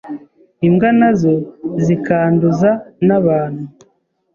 imbwa nazo zikanduza n’abantu.